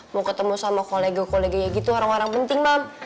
mau ketemu sama kolega kolega kayak gitu orang orang penting mam